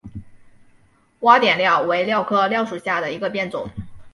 洼点蓼为蓼科蓼属下的一个变种。